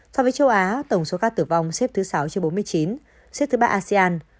so với châu á tổng số ca tử vong xếp thứ sáu trên bốn mươi chín xếp thứ ba asean